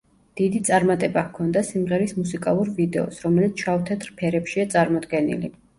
დიდი წარმატება ჰქონდა სიმღერის მუსიკალურ ვიდეოს, რომელიც შავ-თეთრ ფერებშია წარმოდგენილი.